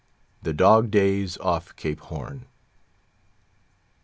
THE DOG DAYS OFF CAPE HORN.